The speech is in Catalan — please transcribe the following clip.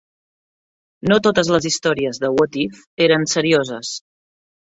No totes les històries de "What if" eren serioses.